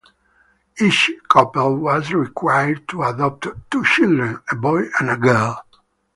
Each couple was required to adopt two children, a boy and a girl.